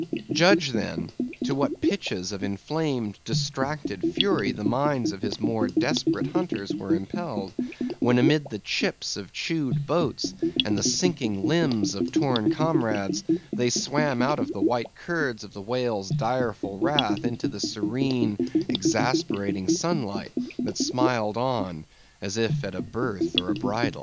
Judge, then, to what pitches of inflamed, distracted fury the minds of his more desperate hunters were impelled, when amid the chips of chewed boats, and the sinking limbs of torn comrades, they swam out of the white curds of the whale's direful wrath into the serene, exasperating sunlight, that smiled on, as if at a birth or a bridal.